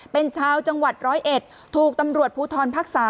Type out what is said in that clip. เป็นชาวจังหวัดร้อยเอ็ดถูกตำรวจภูทรภักษ์๓